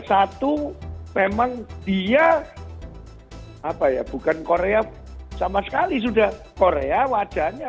satu memang dia apa ya bukan korea sama sekali sudah korea wajahnya